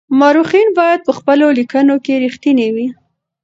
مورخین باید په خپلو لیکنو کي رښتیني وي.